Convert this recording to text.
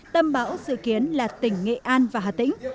tâm bão dự kiến là tỉnh nghệ an và hà tĩnh